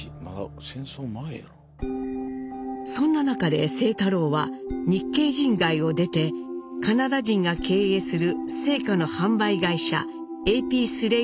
そんな中で清太郎は日系人街を出てカナダ人が経営する青果の販売会社ＡＰスレイドカンパニーで働きます。